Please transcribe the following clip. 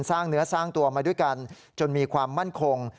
สร้างเนื้อสร้างตัวมาด้วยกันจนมีความมั่นคง